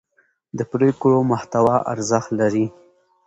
د پرېکړو محتوا ارزښت لري